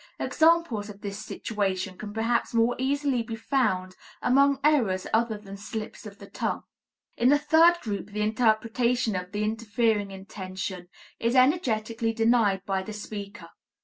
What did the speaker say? Examples of this situation can perhaps more easily be found among errors other than slips of the tongue. In a third group the interpretation of the interfering intention is energetically denied by the speaker.